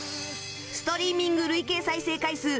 ストリーミング累計再生回数